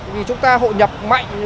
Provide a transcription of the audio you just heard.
vì chúng ta hội nhập mạnh